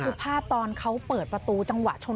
คือภาพตอนเขาเปิดประตูจังหวะชน